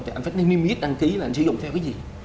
thì anh phải nên niêm yết đăng ký là anh sử dụng theo cái gì